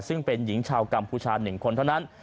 ซึ่งเป็นหญิงชาวกัมพูชา๑คนเท่านั้น